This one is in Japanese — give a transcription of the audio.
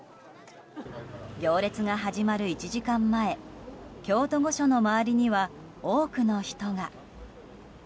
行列が始まる１時間前京都御所の周りには多くの人が。